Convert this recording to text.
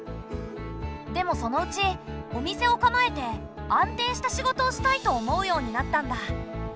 でもそのうちお店を構えて安定した仕事をしたいと思うようになったんだ。